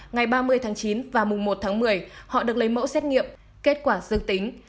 ngày ba mươi tháng chín và mùng một tháng một mươi họ được lấy mẫu xét nghiệm kết quả dương tính